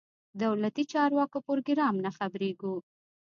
دولتي چارواکو پروګرام نه خبرېږو.